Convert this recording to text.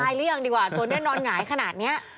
ตายเลี้ยงดีกว่าตัวนี้นอนหงายขนาดนี้